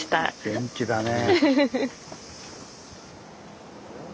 元気だね。